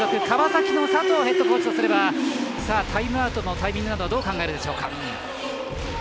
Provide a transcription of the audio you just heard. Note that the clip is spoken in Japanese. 川崎の佐藤ヘッドコーチとすればタイムアウトのタイミングはどう考えるでしょうか。